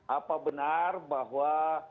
apa benar bahwa